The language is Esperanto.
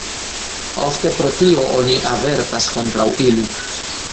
Ofte pro tio oni avertas kontraŭ ili.